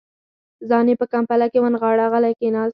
ځان يې په کمپله کې ونغاړه، غلی کېناست.